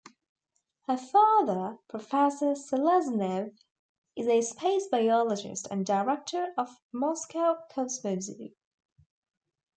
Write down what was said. Her father, Professor Seleznev, is a space biologist and director of Moscow CosmoZoo.